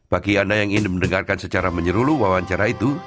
bagi anda yang ingin mendengarkan secara menyeluruh wawancara itu